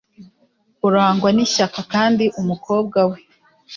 urangwa n ishyaka kandi umukobwa we